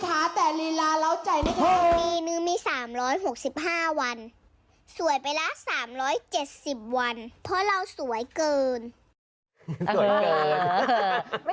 เกินเกิน